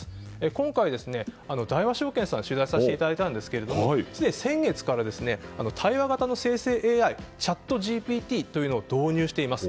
今回、大和証券さんを取材させていただいたんですがすでに先月から対話型の生成ＡＩチャットＧＰＴというのを導入しています。